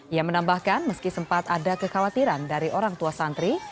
ia menambahkan meski sempat ada kekhawatiran dari orang tua santri